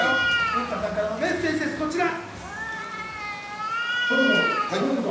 文太さんからのメッセージです、こちら！